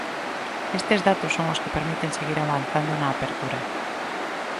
Estes datos son os que permiten seguir avanzando na apertura.